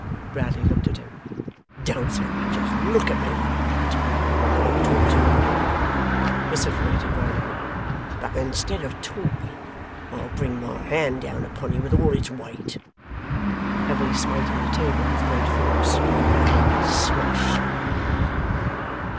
Bradley looked at him. 'Don't so much as look at me like that, or I won't talk to you at all,' vociferated Riderhood. 'But, instead of talking, I'll bring my hand down upon you with all its weight,' heavily smiting the table with great force, 'and smash you!